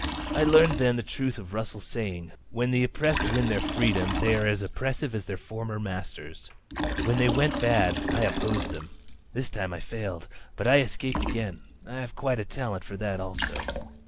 "I learned then the truth of Russell's saying: 'When the oppressed win their freedom they are as oppressive as their former masters.' When they went bad, I opposed them. This time I failed. But I escaped again. I have quite a talent for that also.